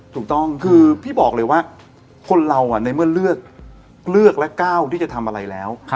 ถูกต้องคือพี่บอกเลยว่าคนเราในเมื่อเลือกและก้าวที่จะทำอะไรแล้ว